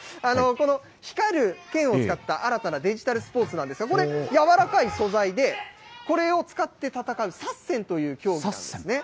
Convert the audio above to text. この光る剣を使った新たなデジタルスポーツなんですが、これ、柔らかい素材で、これを使って戦うサッセンという競技なんですね。